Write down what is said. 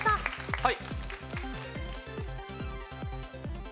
はい。